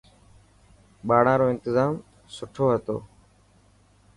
ٻاڙان رو انتظام سٺو هتو.